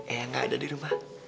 eh yang gak ada di rumah